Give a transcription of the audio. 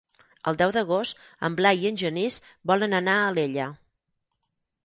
El deu d'agost en Blai i en Genís volen anar a Alella.